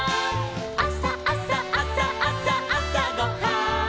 「あさあさあさあさあさごはん」